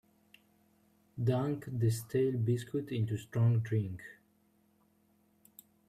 Dunk the stale biscuits into strong drink.